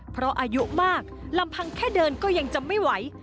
เพราะอายุมากลำพังแค่เดินก็ยังจะไม่ไหว